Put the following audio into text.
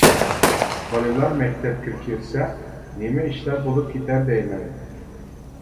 بالىلار مەكتەپكە كىرسە نېمە ئىشلار بولۇپ كېتەر دەيمەن.